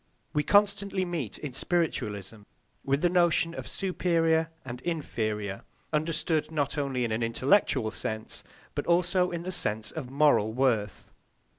We constantly meet, in spiritualism, with the notion of superior and inferior, understood not only in an intellectual sense but also in the sense of moral worth.